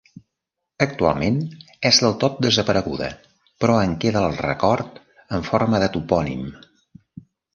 Actualment, és del tot desapareguda, però en queda el record en forma de topònim.